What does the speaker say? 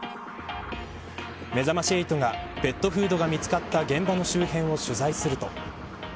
めざまし８が、ペットフードが見つかった現場の周辺を取材すると。